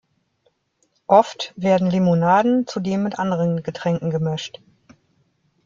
Oft werden Limonaden zudem mit anderen Getränken gemischt.